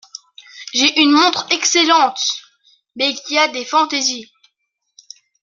J’ai une montre excellente ; mais qui a des fantaisies.